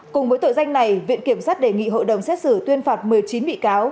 cùng với tội danh này viện kiểm sát đề nghị hội đồng xét xử tuyên phạt một mươi chín bị cáo